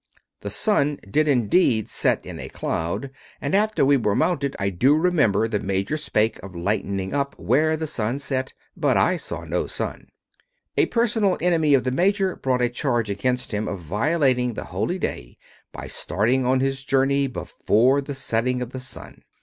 The sun did indeed set in a cloud, and after we were mounted, I do remember the major spake of lightening up where the sun set; but I saw no sun." A personal enemy of the major's brought a charge against him of violating the holy day by starting on his journey before the setting of the sun.